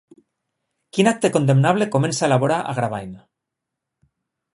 Quin acte condemnable comença a elaborar Agravain?